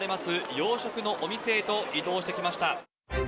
洋食のお店へと移動してきました。